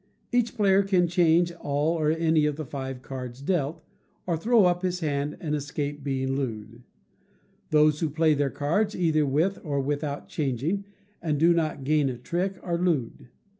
Each player can change all or any of the five cards dealt, or throw up his hand, and escape being looed. Those who play their cards, either with or without changing, and do not gain a trick, are looed.